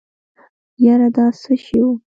يره دا څه شی و.